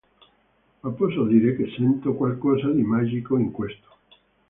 Ma posso dire che sento qualcosa di magico in questo.